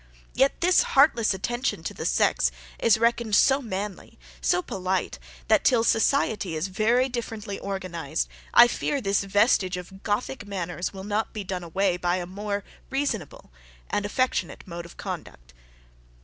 yet this heartless attention to the sex is reckoned so manly, so polite, that till society is very differently organized, I fear, this vestige of gothic manners will not be done away by a more reasonable and affectionate mode of conduct.